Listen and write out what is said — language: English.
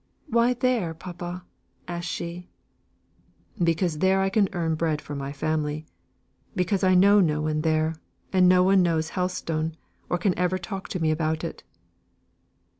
"Why there, papa?" asked she. "Because there I can earn bread for my family. Because I know no one there, and no one knows Helstone, or can ever talk to me about it."